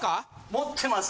持ってます。